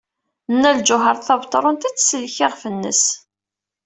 Nna Lǧuheṛ Tabetṛunt ad tsellek iɣef-nnes.